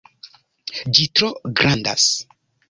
Ĝi tro grandas.